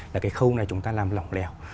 là cái khâu này chúng ta làm lỏng lẻo